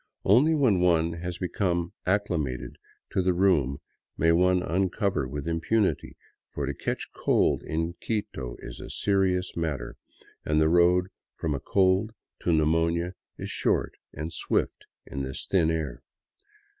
Only when one has become acclimated to the room may one uncover with impunity, for to catch cold in Quito is a serious matter, and the road from a cold to pneumonia is short and swift in this thin air.